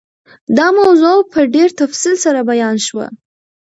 دا موضوع په ډېر تفصیل سره بیان شوه.